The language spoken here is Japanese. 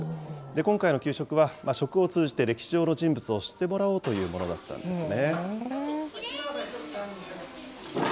今回の給食は、食を通じて歴史上の人物を知ってもらおうというものだったんですね。